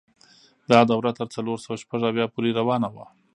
دا دوره تر څلور سوه شپږ اویا پورې روانه وه.